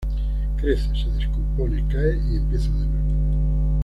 Crece, se descompone, cae y empieza de nuevo.